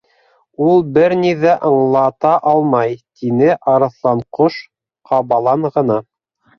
—Ул бер ни ҙә аңлата алмай, —тине Арыҫланҡош ҡабалан ғына.